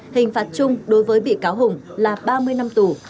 hình phạt chung đối với bị cáo hùng là ba mươi năm tù